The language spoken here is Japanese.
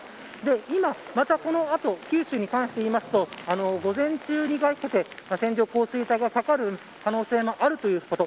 今またこの後、九州に関して言うと午前中にかけて線状降水帯がかかる可能性もあるということ。